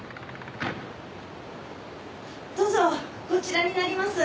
どうぞこちらになります。